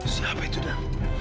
siapa itu dan